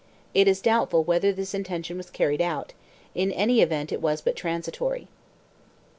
It is doubtful whether this intention was carried out; in any event it was but transitory.